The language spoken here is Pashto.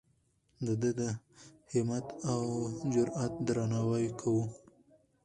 د ده د همت او جرئت درناوی کوو.